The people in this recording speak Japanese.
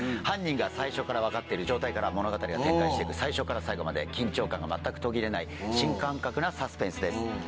犯人が最初から分かっている状態から物語が展開して行く最初から最後まで緊張感が全く途切れない新感覚なサスペンスです。